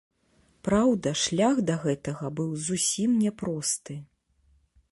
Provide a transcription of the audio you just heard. Праўда, шлях да гэтага быў зусім няпросты.